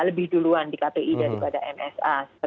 lebih duluan di kpi daripada msa